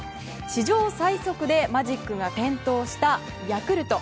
史上最速でマジックが点灯したヤクルト。